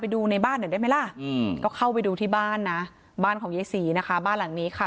ได้ไหมล่ะก็เข้าไปดูที่บ้านนะบ้านของเยสีนะคะบ้านหลังนี้ค่ะ